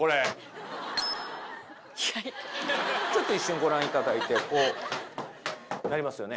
一瞬ご覧いただいてこう鳴りますよね。